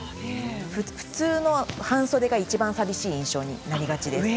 普通の半袖がいちばん寂しい印象になりがちです。